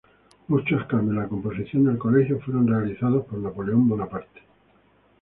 Muchos cambios en la composición del colegio fueron realizados por Napoleón Bonaparte.